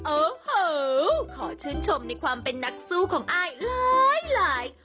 โอ้โหขอชื่นชมในความเป็นนักสู้ของอายหลาย